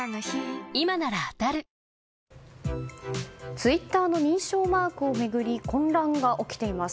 ツイッターの認証マークを巡り混乱が起きています。